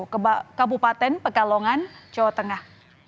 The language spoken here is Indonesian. ke kabupaten pekalongan jawa tengah